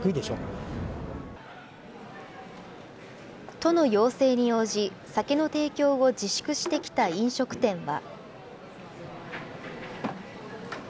都の要請に応じ、酒の提供を自粛してきた飲食店は。